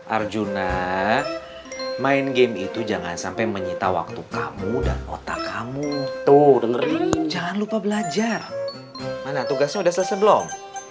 arjuna main game itu jangan sampai menyita waktu kamu dan otak kamu tuh dengerin jangan lupa belajar mana tugasnya udah selesai belum